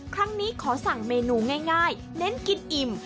ครั้งนี้ขอสั่งเมนูง่ายเน้นกินอิ่ม